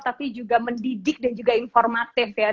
tapi juga mendidik dan juga informatif ya